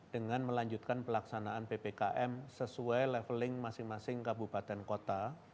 dengan melanjutkan pelaksanaan ppkm sesuai leveling masing masing kabupaten kota